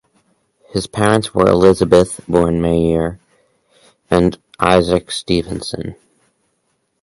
Her parents were Elizabeth (born Mair) and Isaac Stephenson.